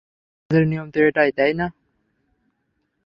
কাজের নিয়ম তো এটাই, তাই না?